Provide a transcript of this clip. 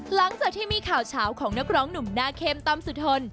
หลังจากที่มีข่าวเฉาของนักร้องหนุ่มหน้าเข้มตำสุทน